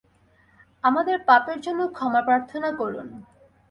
আমাদের পাপের জন্য ক্ষমা প্রার্থনা করুন।